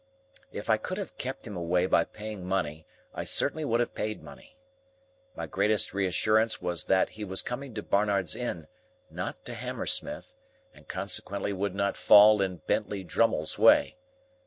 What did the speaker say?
If I could have kept him away by paying money, I certainly would have paid money. My greatest reassurance was that he was coming to Barnard's Inn, not to Hammersmith, and consequently would not fall in Bentley Drummle's way.